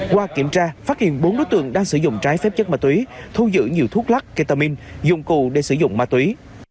qua kiểm tra phát hiện bốn đối tượng đang sử dụng trái phép chất ma túy thu giữ nhiều thuốc lắc ketamin dụng cụ để sử dụng ma túy